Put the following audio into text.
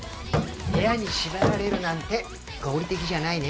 部屋に縛られるなんて合理的じゃないね。